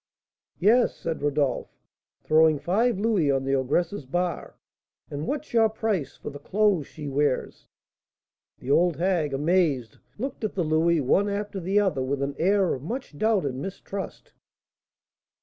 "Yes," said Rodolph, throwing five louis on the ogress's bar, "and what's your price for the clothes she wears?" The old hag, amazed, looked at the louis one after the other, with an air of much doubt and mistrust. "What!